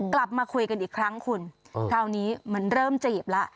กลับมาคุยกันอีกครั้งคุณคราวนี้มันเริ่มจีบแล้ว